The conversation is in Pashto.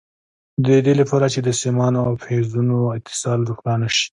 د دې لپاره چې د سیمانو او فیوزونو اتصال روښانه شي.